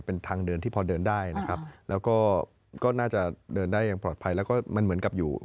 เป็นทางเดินที่พอเดินได้นะครับแล้วก็ก็น่าจะเดินได้อย่างปลอดภัยแล้วก็มันเหมือนกับอยู่